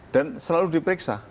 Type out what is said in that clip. dan selalu diperbarui